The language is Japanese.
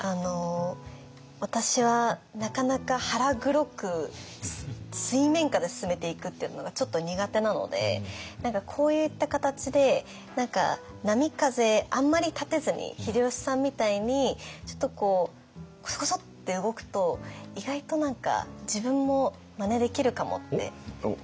私はなかなか腹黒く水面下で進めていくっていうのがちょっと苦手なのでこういった形で波風あんまり立てずに秀吉さんみたいにちょっとこうコソコソって動くと意外と自分もまねできるかもって。